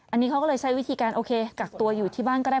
อันนี้เขาก็เลยใช้วิธีการโอเคกักตัวอยู่ที่บ้านก็ได้